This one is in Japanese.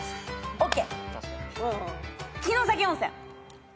ＯＫ！